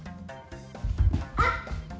あっ！